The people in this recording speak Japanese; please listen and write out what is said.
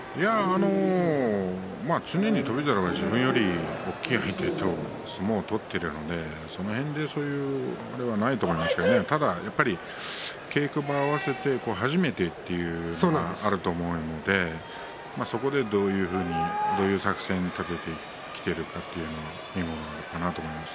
常に翔猿は自分より大きい相手と相撲を取っているのでその辺でそういうことはないと思いますがただ稽古場、合わせて初めてというのがあると思うのでそこで、どういうふうにどういう作戦を立ててきているかというのが見ものかなと思います。